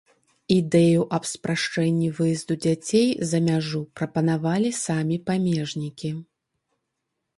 Ідэю аб спрашчэнні выезду дзяцей за мяжу прапанавалі самі памежнікі.